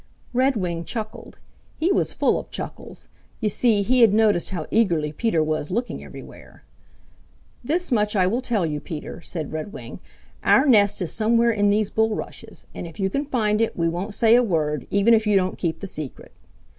Redwing chuckled. He was full of chuckles. You see, he had noticed how eagerly Peter was looking everywhere. "This much I will tell you, Peter," said Redwing; "our nest is somewhere in these bulrushes, and if you can find it we won't say a word, even if you don't keep the secret."